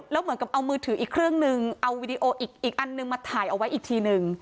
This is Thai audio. แล้วเหมือนกับเอามือถืออีกเครื่องนึงเอาวีดีโออีกอันนึงมาถ่ายเอาไว้อีกทีนึง